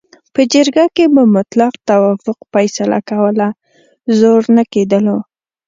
په جرګه کې به مطلق توافق فیصله کوله، زور نه کېدلو.